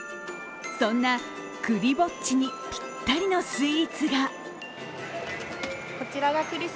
そんな、クリぼっちにぴったりなスイーツが。